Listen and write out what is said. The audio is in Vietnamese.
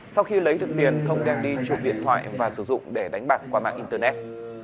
sau khi lấy được tiền thông đang đi chụp điện thoại và sử dụng để đánh bạc qua mạng internet